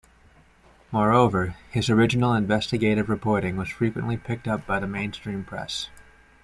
Moreover, his original investigative reporting was frequently picked up by the mainstream press.